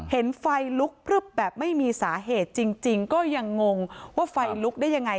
เห็นไฟลุกพลึบแบบไม่มีสาเหตุจริงก็ยังงงว่าไฟลุกได้ยังไง